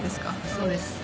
そうです。